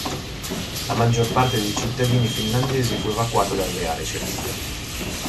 La maggior parte dei cittadini finlandesi fu evacuata dalle aree cedute.